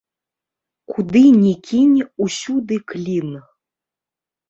Куды ні кінь, усюды клін.